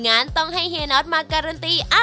งานต้องให้เฮนออร์ธมาการันตรี